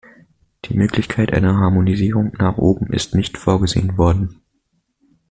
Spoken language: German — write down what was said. Die Möglichkeit einer Harmonisierung nach oben ist nicht vorgesehen worden.